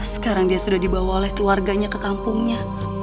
sekarang dia sudah dibawa oleh keluarganya ke kampungnya